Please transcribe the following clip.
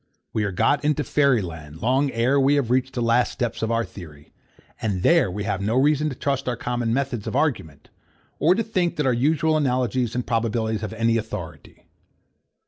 We are got into fairy land, long ere we have reached the last steps of our theory; and there we have no reason to trust our common methods of argument, or to think that our usual analogies and probabilities have any authority.